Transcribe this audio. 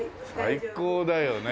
最高だよね。